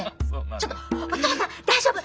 「ちょっとお父さん大丈夫！？